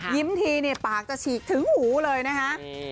ยิ้มทีปากจะฉีกถึงหูเลยนะฮะ